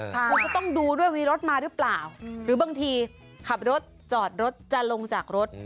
คุณก็ต้องดูด้วยมีรถมาหรือเปล่าหรือบางทีขับรถจอดรถจะลงจากรถ